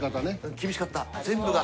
厳しかった全部が。